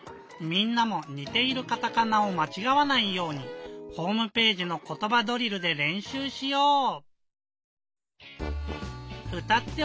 みんなもにているカタカナをまちがわないようにホームページの「ことばドリル」でれんしゅうしよう！